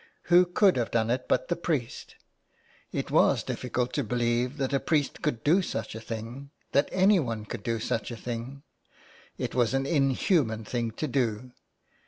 Who could have done it but the priest? It was difficult to believe that a priest could do such a thing, that anyone could do such a thing ; it was an inhuman thing to do.